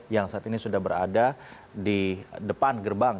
yang saat ini sudah berada di depan gerbang